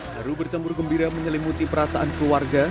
lalu bercambur gembira menyelimuti perasaan keluarga